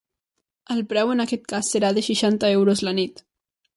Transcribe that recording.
El preu en aquest cas serà de seixanta euros la nit.